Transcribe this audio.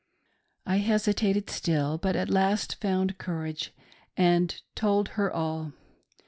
I hesitated still ; but at last found courage, and told her all.